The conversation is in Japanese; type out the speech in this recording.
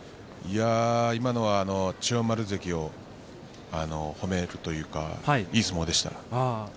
今のは千代丸関を褒めるというか、いい相撲でした。